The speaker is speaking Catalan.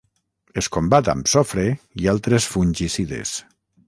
Es combat amb sofre i altres fungicides.